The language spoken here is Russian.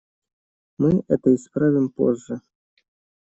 Мы это исправим позже.